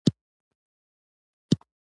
د سمندر مالګه تر ډېره طبیعي وي.